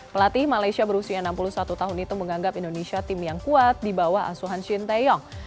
pelatih malaysia berusia enam puluh satu tahun itu menganggap indonesia tim yang kuat di bawah asuhan shin taeyong